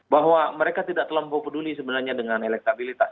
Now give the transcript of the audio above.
bahwa mereka tidak terlampau peduli sebenarnya dengan elektabilitas